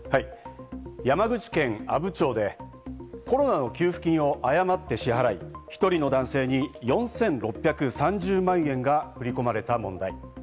山口県阿武町でコロナの給付金を誤って支払い、１人の男性に４６３０万円が振り込まれた問題。